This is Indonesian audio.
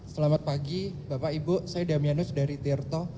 selamat pagi bapak ibu saya damianus dari tirto